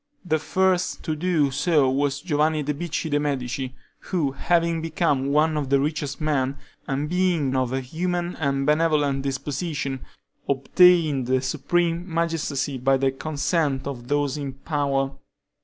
The first to do so was Giovanni di Bicci de' Medici, who having become one of the richest men, and being of a humane and benevolent disposition, obtained the supreme magistracy by the consent of those in power.